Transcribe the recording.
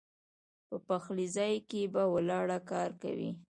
پۀ پخلي ځائے کښې پۀ ولاړه کار کوي